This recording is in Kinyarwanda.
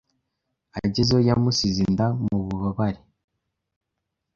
Agezeyo yamusize inda mu bubabare